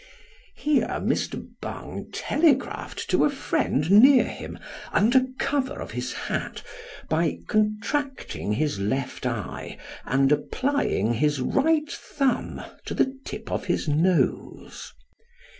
(Hero Mr. Bung telegraphed to a friend near him, under cover of Ids hat, by contracting his left eye, and applying his right thumb to the tip of his nose.)